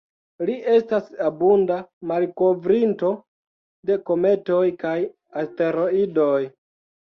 Li estas abunda malkovrinto de kometoj kaj asteroidoj.